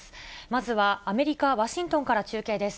まずはアメリカ・ワシントンから中継です。